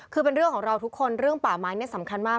คือเป็นเรื่องของเราทุกคนเรื่องป่าไม้เนี่ยสำคัญมาก